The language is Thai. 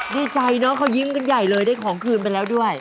ดีใจเนอะเขายิ้มกันใหญ่เลยได้ของคืนไปแล้วด้วย